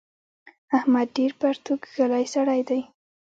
احمد ډېر پرتوګ کښلی سړی دی.